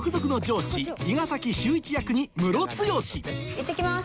いってきます。